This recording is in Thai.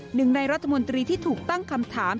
หนึ่งในรัฐมนตรีที่ถูกตั้งคำถาม